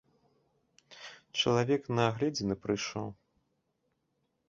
Чалавек на агледзіны прыйшоў.